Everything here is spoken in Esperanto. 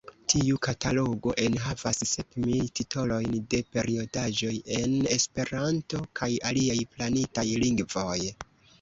Tiu katalogo enhavas sep mil titolojn de periodaĵoj en Esperanto kaj aliaj planitaj lingvoj.